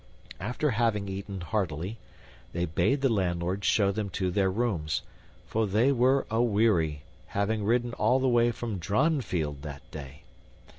After having eaten heartily they bade the landlord show them to their rooms, for they were aweary, having ridden all the way from Dronfield that day.